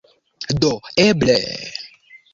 Do eble...